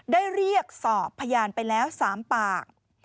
ได้เรียกสอบพยานไปแล้ว๓ปาก